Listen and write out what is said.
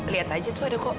lihat aja tuh aduh kok